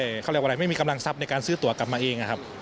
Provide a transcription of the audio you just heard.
เขาเรียกว่าอะไรไม่มีกำลังทรัพย์ในการซื้อตัวกลับมาเองนะครับ